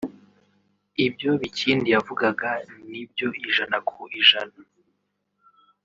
ibyo Bikindi yavugaga ni byo ijana ku ijana